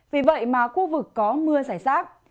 vì vậy mà khu vực có mưa giải rác